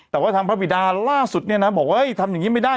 แต่ว่าทางพระบิดาล่าสุดเนี่ยนะบอกว่าทำอย่างนี้ไม่ได้